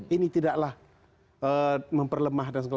ini tidaklah memperlemah